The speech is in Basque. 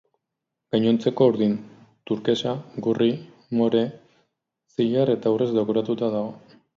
Gainontzekoa urdin, turkesa, gorri, more, zilar eta urrez dekoratuta dago.